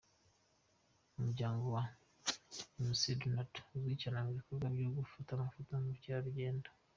Umuryango wa McDonald uzwi cyane mu bikorwa byo gufata amafoto mu Bukerarugendo.